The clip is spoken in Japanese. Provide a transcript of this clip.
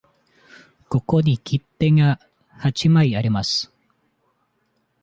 ここに切手が八枚あります。